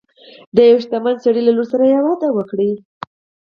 د یو شتمن سړي لور سره یې واده وکړ.